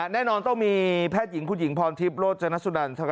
แน่นอนต้องมีแพทย์หญิงคุณหญิงพรทิพย์โรจนสุนันใช่ไหม